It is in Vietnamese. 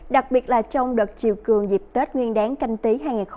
đặc biệt là trong đợt chiều cường dịp tết nguyên đáng canh tí hai nghìn hai mươi